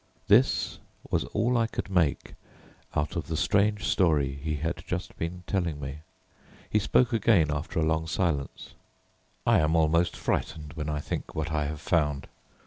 This was all I could make out of the strange story he had just been telling me. He spoke again after a long silence. "I am almost frightened when I think what I have found.